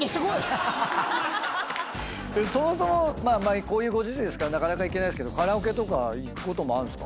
そもそもこういうご時世ですからなかなか行けないですけどカラオケ行くこともあるんですか？